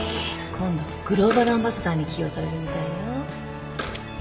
今度グローバルアンバサダーに起用されるみたいよ。